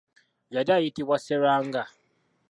Yali ayitibwa Sserwanga .